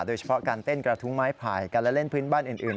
โดยเฉพาะการเต้นกระทุ้งไม้ผ่ายการและเล่นพื้นบ้านอื่น